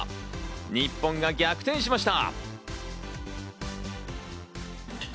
日本が逆転しました。